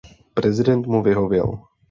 Prezident mu vyhověl.